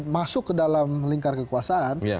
masuk ke dalam lingkar kekuasaan